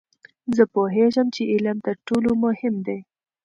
زه پوهیږم چې علم تر ټولو مهم دی.